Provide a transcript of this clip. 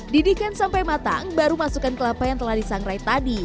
didihkan sampai matang baru masukkan kelapa yang telah disangrai tadi